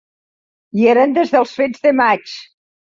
Hi eren des dels fets de maig